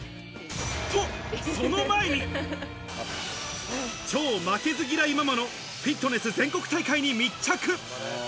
と、その前に、超負けず嫌いママのフィットネス全国大会に密着。